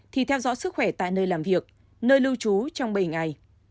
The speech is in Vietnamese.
thì theo dõi sức khỏe tại nơi làm việc nơi lưu trú trong bảy ngày